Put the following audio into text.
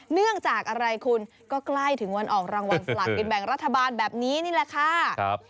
เนื่องจากอะไรคุณก็ใกล้ถึงวันออกรางวัลสลักกินแบ่งรัฐบาลแบบนี้นี่แหละค่ะ